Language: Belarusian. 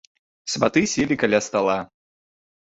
Сваты селі каля стала.